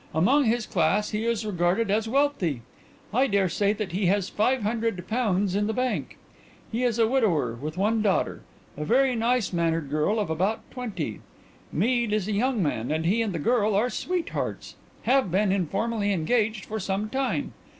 Among his class he is regarded as wealthy. I daresay that he has five hundred pounds in the bank. He is a widower with one daughter, a very nice mannered girl of about twenty. Mead is a young man, and he and the girl are sweethearts have been informally engaged for some time.